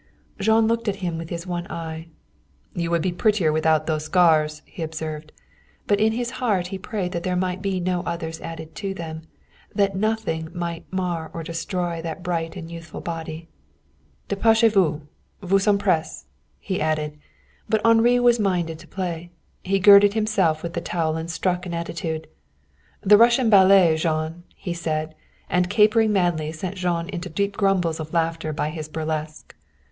Jean looked at him with his one eye. "You would be prettier without those scars," he observed. But in his heart he prayed that there might be no others added to them, that nothing might mar or destroy that bright and youthful body. "Dépêchez vous! Vous sommes pressés!" he added. But Henri was minded to play. He girded himself with the towel and struck an attitude. "The Russian ballet, Jean!" he said, and capering madly sent Jean into deep grumbles of laughter by his burlesque.